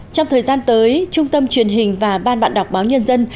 trong thời gian tới trung tâm truyền hình và ban bạn đọc báo nhân dân